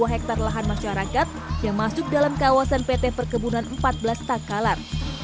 enam ribu tujuh ratus delapan puluh dua hektare lahan masyarakat yang masuk dalam kawasan pt perkebunan empat belas tak kalat